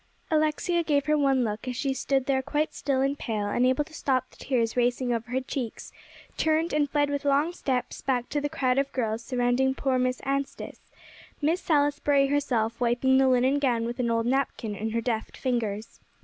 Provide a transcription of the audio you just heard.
Alexia gave her one look, as she stood there quite still and pale, unable to stop the tears racing over her cheeks, turned, and fled with long steps back to the crowd of girls surrounding poor Miss Anstice, Miss Salisbury herself wiping the linen gown with an old napkin in her deft fingers.